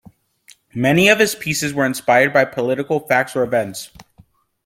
Many of his pieces were inspired by political facts or events.